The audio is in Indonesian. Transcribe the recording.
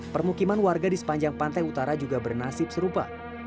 permukiman warga di sepanjang pantai utara juga bernasib serupa